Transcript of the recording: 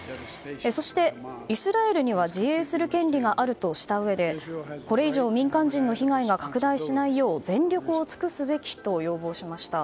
そして、イスラエルには自衛する権利があるとしたうえでこれ以上、民間人の被害が拡大しないよう全力を尽くすべきと要望しました。